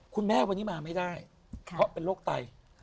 คุณแม่วันนี้มาไม่ได้เพราะเป็นโรคไต